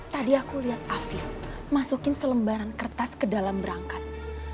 tadi aku lihat afif masukin selembaran kertas ke dalam berangkas